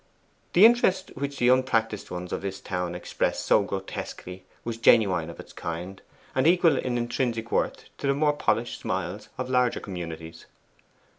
The interest which the unpractised ones of this town expressed so grotesquely was genuine of its kind, and equal in intrinsic worth to the more polished smiles of larger communities.